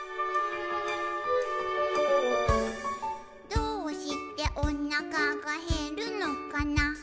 「どうしておなかがへるのかな」